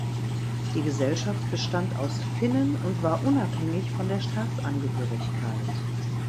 Die Gesellschaft bestand aus Finnen und war unabhängig von der Staatsangehörigkeit.